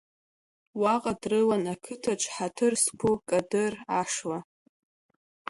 Уаҟа дрылан ақыҭаҿ ҳаҭыр зқәу Кадыр ашла.